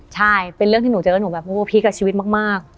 ใช่เป็นเรื่องที่หนูเจอแล้วหนูแบบโอ้พีคกับชีวิตมาก